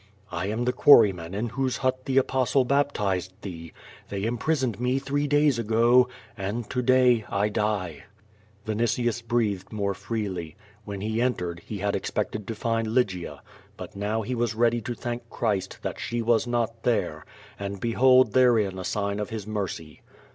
"I am the quarryman in whose hut the Apostle baptized thee. They imprisoned me three days ago, and to day I die." Vinitius breathed more freely. When he entered, he had «1 406 QUO VADI8. expected to find Lygia. But now ho was ready to thank Christ, that she was not there, and bohold tlierein a sign of His mercy.